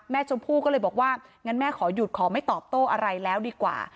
ชมพู่ก็เลยบอกว่างั้นแม่ขอหยุดขอไม่ตอบโต้อะไรแล้วดีกว่า